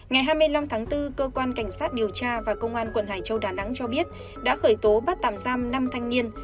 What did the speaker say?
ngày hai mươi năm tháng bốn cơ quan cảnh sát điều tra và công an quận hải châu đà nẵng cho biết đã khởi tố bắt tạm giam năm thanh niên